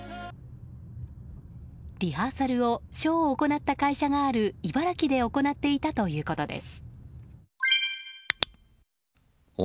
リハーサルをショーを行った会社がある茨城で行っていたということです。